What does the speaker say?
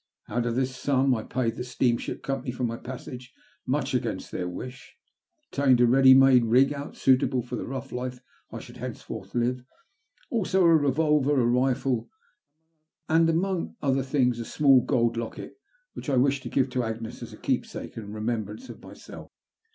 Out of this sum I paid the steamship company for my passage — much against their wish — obtained a ready made rig out suitable for the rough life I should henceforth live, also a revolver, a rifle, and among other things a small gold locket which I wished to give to Agnes as a keepsake and remembrance of myself.